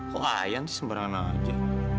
kok ayan sih sembarangan aja